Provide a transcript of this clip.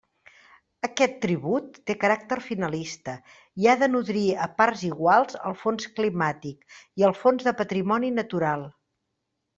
Aquest tribut té caràcter finalista i ha de nodrir a parts iguals el Fons climàtic i el Fons de patrimoni natural.